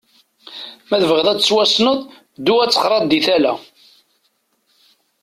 Ma tebɣiḍ ad tettwassneḍ, ddu ad texraḍ di tala.